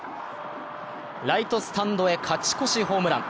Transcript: ライトスタンドへ勝ち越しホームラン。